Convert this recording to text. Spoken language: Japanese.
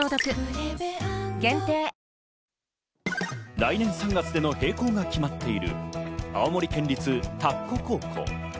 来年３月での閉校が決まっている青森県立田子高校。